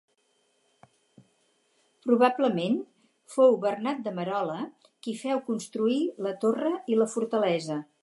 Probablement fou Bernat de Merola qui feu construir la torre i la fortalesa.